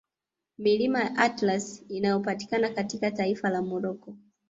Milima ya Atlas inayopatikana katika taifa la Morocco